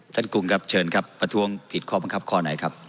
กรุงครับเชิญครับประท้วงผิดข้อบังคับข้อไหนครับ